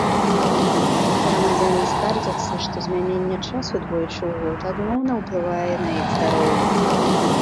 Грамадзяне скардзяцца, што змяненне часу двойчы ў год адмоўна ўплывае на іх здароўе.